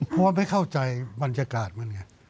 เพราะว่าไม่เข้าใจบรรยากาศมันไง